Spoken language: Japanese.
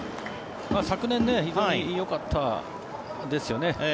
昨年非常によかったですよね。